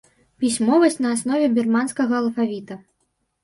Пісьмовасць на аснове бірманскага алфавіта.